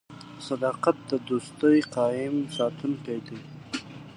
• صداقت د دوستۍ قایم ساتونکی دی.